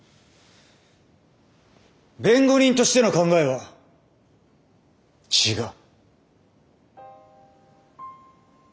弁護人としての考えは違う。